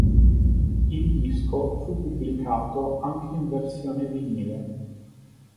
Il disco fu pubblicato anche in versione vinile.